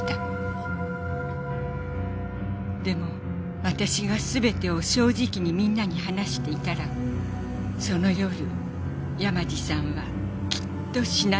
でも私が全てを正直にみんなに話していたらその夜山路さんはきっと死ななかったはずです。